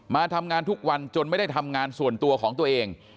มาทำงานทุกวันจนไม่ได้ทำงานส่วนตัวของตัวเอง